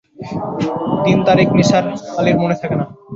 দিন-তারিখ নিসার আলির মনে থাকে না।